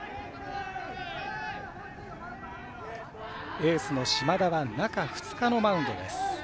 エースの島田は中２日のマウンドです。